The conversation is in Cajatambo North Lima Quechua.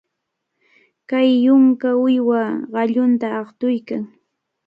Kay yunka uywa qallunta aqtuykan.